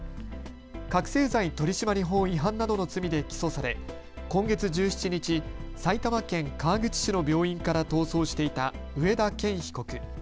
覚醒剤取締法違反などの罪で起訴され今月１７日、埼玉県川口市の病院から逃走していた上田健被告。